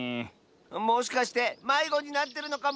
もしかしてまいごになってるのかも。